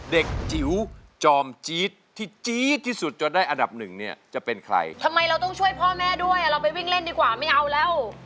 จิ๋วจอมจี๊ดที่จี๊ดที่สุดจนได้อันดับหนึ่งเนี่ยจะเป็นใครทำไมเราต้องช่วยพ่อแม่ด้วยเราไปวิ่งเล่นดีกว่าไม่เอาแล้ว